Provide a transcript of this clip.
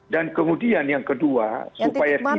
dan kemudian yang kedua supaya tidak bias lagi